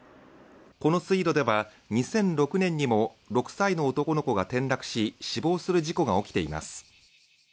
この水路では２００６年にも６歳の男の子が転落し死亡する事故が起きています。